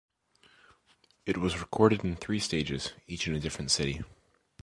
It was recorded in three stages, each in a different city.